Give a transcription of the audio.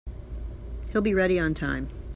He'll be ready on time.